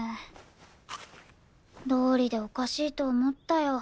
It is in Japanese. どうりでおかしいと思ったよ。